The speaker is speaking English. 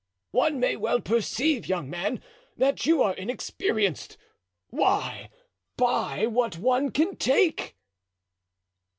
"One may well perceive, young man, that you are inexperienced. Why buy what one can take?"